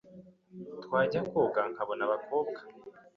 twajya koga nkabona abakobwa